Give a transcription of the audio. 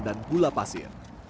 dan gula pasir